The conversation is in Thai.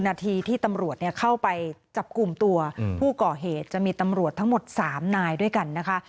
นาทีที่ตำรวจเข้าไปจับกลุ่มตัวผู้ก่อเหตุจะมีตำรวจทั้งหมด๓นายด้วยกันนะคะ